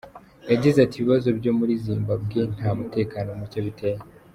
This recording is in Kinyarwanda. Yagize ati “Ibibazo byo muri Zimbabwe nta mutekano muke biteye.